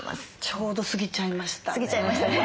ちょうど過ぎちゃいましたね。